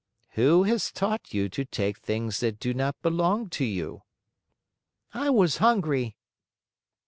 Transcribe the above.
"Who has taught you to take things that do not belong to you?" "I was hungry."